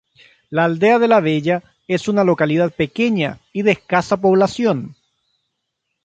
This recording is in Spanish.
La Aldea de la Bella es una localidad pequeña y de escasa población.